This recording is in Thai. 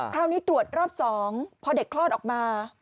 คราวนี้ตรวจรอบ๒พอเด็กคลอดออกมา